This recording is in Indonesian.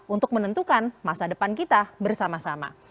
untuk menentukan masa depan kita bersama sama